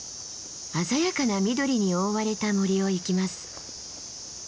鮮やかな緑に覆われた森を行きます。